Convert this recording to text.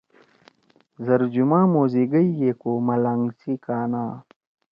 زرجُمہ موزیگئی گے کو ملانگ سی کانا